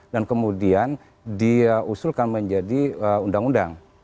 dan kemudian diusulkan menjadi undang undang